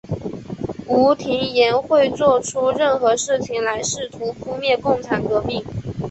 吴廷琰会作出任何事情来试图扑灭共产革命。